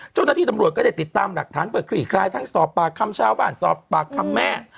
เจ้าหน้าที่ตำรวจก็ได้ติดตามหลักฐานเพื่อคลี่คลายทั้งสอบปากคำชาวบ้านสอบปากคำแม่